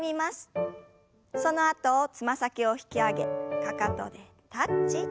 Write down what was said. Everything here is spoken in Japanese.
そのあとつま先を引き上げかかとでタッチ。